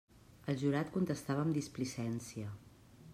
El jurat contestava amb displicència.